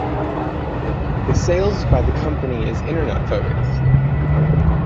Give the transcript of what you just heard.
The sales by the company is internet focused.